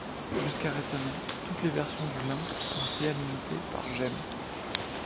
Jusqu'à récemment, toutes les versions du Lynx ont été alimentées par Gem.